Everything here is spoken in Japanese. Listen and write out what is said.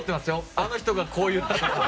あの人がこう言ったとか。